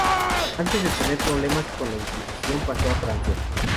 Antes de tener problemas con la Inquisición pasó a Francia.